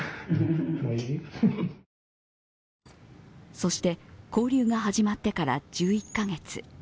そして勾留が始まってから１１カ月。